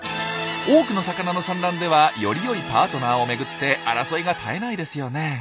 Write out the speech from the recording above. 多くの魚の産卵ではよりよいパートナーを巡って争いが絶えないですよね。